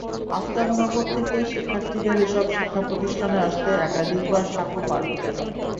আফতাব নগর থেকে শিক্ষার্থীদের এসব শিক্ষাপ্রতিষ্ঠানে আসতে একাধিকবার সাঁকো পার হতে হয়।